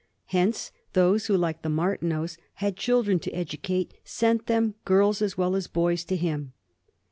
Hence those who, like the Martineaus, had children to educate sent them, girls as well as boys, to him.